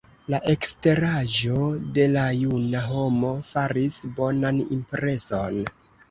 La eksteraĵo de la juna homo faris bonan impreson.